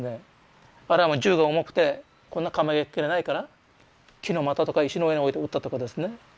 あるいはもう銃が重くてこんな構えきれないから木の股とか石の上に置いて撃ったとかですね。